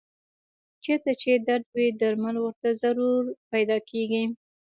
چېرته چې درد وي درمل ورته ضرور پیدا کېږي.